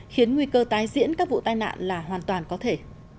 khiến nguy cơ tái diễn các vụ tai nạn là hoàn toàn có thể